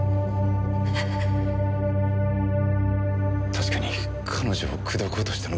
確かに彼女を口説こうとしたのは事実です。